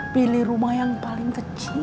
pilih rumah yang paling kecil